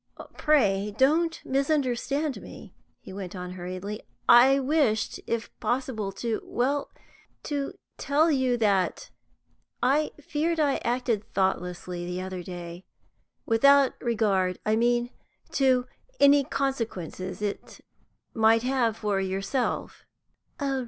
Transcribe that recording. "Pray don't misunderstand me," he went on hurriedly. "I wished, if possible, to well, to tell you that I feared I acted thoughtlessly the other day; without regard, I mean, to any consequences it might have for yourself."